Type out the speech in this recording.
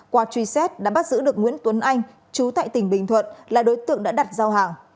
qua truy xét đã bắt giữ được nguyễn tuấn anh chú tại tỉnh bình thuận là đối tượng đã đặt giao hàng